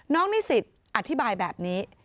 นิสิตอธิบายแบบนี้